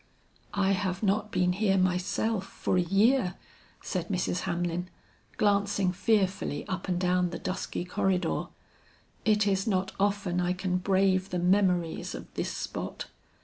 "I have not been here, myself, for a year," said Mrs. Hamlin, glancing fearfully up and down the dusky corridor. "It is not often I can brave the memories of this spot."